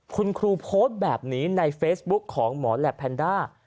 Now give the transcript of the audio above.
คุณครูโพสต์แบบนี้ในเฟซบุ๊คของหมอแหลปแพนด้า